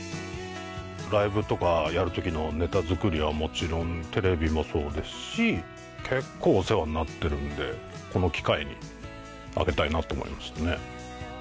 ライブとかやる時のネタ作りはもちろんテレビもそうですし結構お世話になってるんでこの機会にあげたいなと思いましたね。